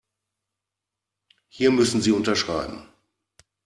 Hier müssen Sie unterschreiben.